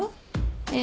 ええ。